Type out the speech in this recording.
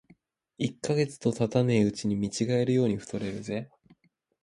一と月とたたねえうちに見違えるように太れるぜ